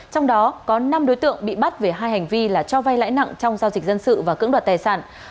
trong đó có năm đối tượng bị bắt về hai hành vi là cho vay lãi nặng trong giao dịch dân sự và cưỡng đoạt tài sản